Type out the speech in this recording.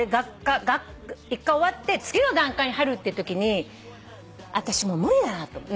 一回終わって次の段階に入るってときにあたしもう無理だなと思って。